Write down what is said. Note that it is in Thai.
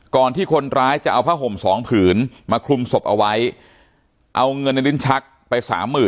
ที่คนร้ายจะเอาผ้าห่ม๒ผืนมาคลุมศพเอาไว้เอาเงินในลิ้นชักไปสามหมื่น